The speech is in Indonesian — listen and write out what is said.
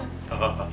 tak apa pak